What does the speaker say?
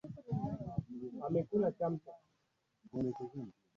vilivyosababisha maangamizi ya Hekalu la pili na mji wa Yerusalemu